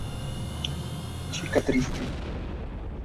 Chica triste.